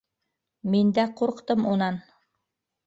Мин дә ҡурҡтым унан.